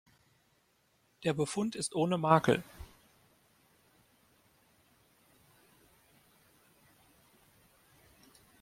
Der Befund ist ohne Makel.